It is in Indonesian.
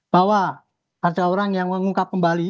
bahwa ada orang yang mengungkap kembali